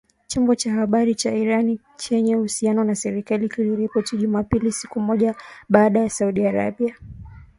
chombo cha habari cha Iran chenye uhusiano na serikali kiliripoti Jumapili, siku moja baada ya Saudi Arabia kutekeleza kuwanyonga watu wengi